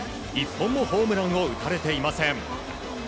１本もホームランを打たれていません。